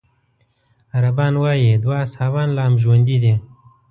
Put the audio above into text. عربان وايي دوه اصحابان لا هم ژوندي دي.